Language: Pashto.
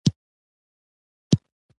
یوازې ځم او خپل ملګری ریډي ګل تا ته پرېږدم.